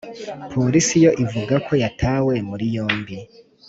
Polisi yo ivuga ko yatawe muri yombi